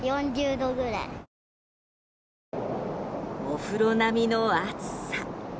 お風呂並みの暑さ。